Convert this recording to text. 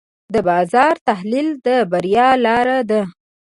د بازار تحلیل د بریا لاره ده.